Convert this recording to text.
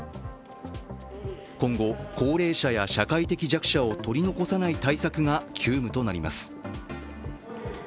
今後、高齢者や社会的弱者を取り残さない対策が急務となります。